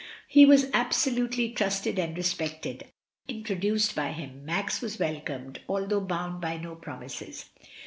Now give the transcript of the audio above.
He was absolutely trusted and respected; introduced by him, Max was welcomed, although bound by no promises.